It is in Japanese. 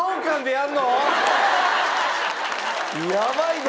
やばいで。